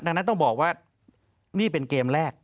ดังนั้นต้องบอกว่านี่เป็นเกมแรก